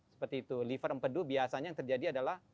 seperti itu liver empedu biasanya yang terjadi adalah